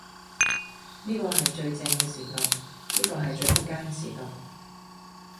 呢個係最正嘅時代，呢個係最仆街嘅時代，